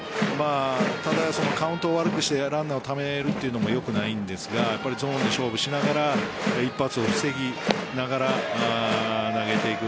ただ、カウントを悪くしてランナーをためるのも良くないんですがゾーンで勝負しながら一発を防ぎながら投げていく。